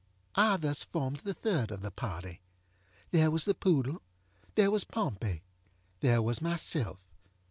I thus formed the third of the party. There was the poodle. There was Pompey. There was myself.